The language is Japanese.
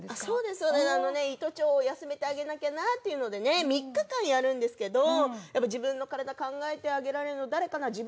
そうです胃と腸を休めてあげなきゃなっていうのでね３日間やるんですけどやっぱ自分の体考えてあげられるの誰かな。